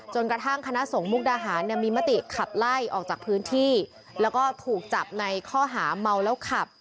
กระทั่งคณะสงฆ์มุกดาหารมีมติขับไล่ออกจากพื้นที่แล้วก็ถูกจับในข้อหาเมาแล้วขับ